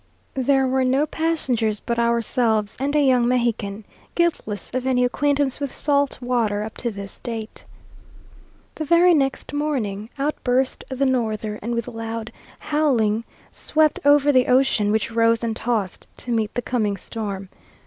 There were no passengers but ourselves, and a young Mexican, guiltless of any acquaintance with salt water, up to this date. The very next morning out burst the norther, and with loud howling swept over the ocean, which rose and tossed to meet the coming storm.